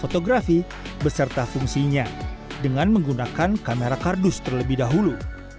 fotografi beserta fungsinya dengan menggunakan kamera kardus terlebih dahulu